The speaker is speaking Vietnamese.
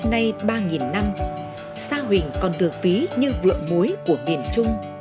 này ba năm xa huỳnh còn được ví như vượn muối của biển trung